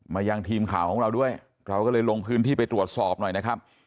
ยังทีมข่าวของเราด้วยเราก็เลยลงพื้นที่ไปตรวจสอบหน่อยนะครับ